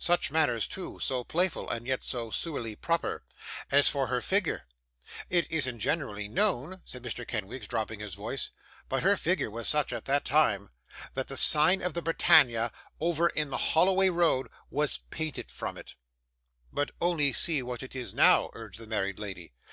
Such manners too; so playful, and yet so sewerely proper! As for her figure! It isn't generally known,' said Mr. Kenwigs, dropping his voice; 'but her figure was such, at that time, that the sign of the Britannia, over in the Holloway Road, was painted from it!' 'But only see what it is now,' urged the married lady.